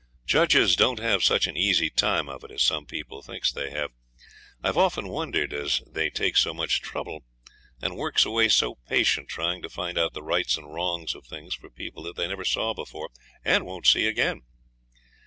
Judges don't have such an easy time of it as some people thinks they have. I've often wondered as they take so much trouble, and works away so patient trying to find out the rights and wrongs of things for people that they never saw before, and won't see again.